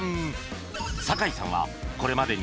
酒井さんはこれまでに